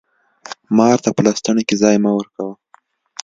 مار ته په لستوڼي کي ځای مه ورکوه!